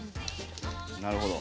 なるほど。